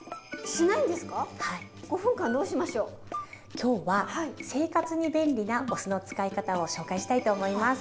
今日は生活に便利なお酢の使い方を紹介したいと思います。